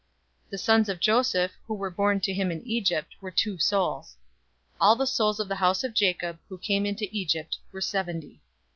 046:027 The sons of Joseph, who were born to him in Egypt, were two souls. All the souls of the house of Jacob, who came into Egypt, were seventy.